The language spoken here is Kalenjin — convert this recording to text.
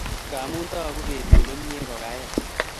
Qamu tokguu betut nemie kokaech